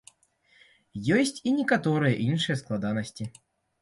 Ёсць і некаторыя іншыя складанасці.